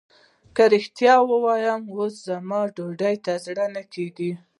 که رښتيا ووايم اوس زما ډوډۍ ته زړه نه کېږي.